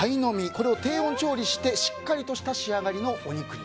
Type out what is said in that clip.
これを低温調理してしっかりとした仕上がりのお肉に。